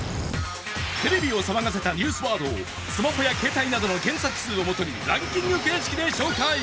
テレビを騒がせたニュースワードをスマホや携帯などの検索数を基にランキング形式で紹介。